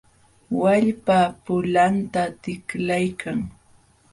Wallpa pulanta tiklaykan.